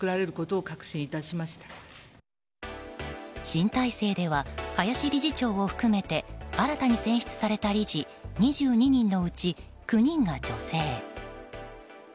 新体制では林理事長を含めて新たに選出された理事２２人のうち、９人が女性。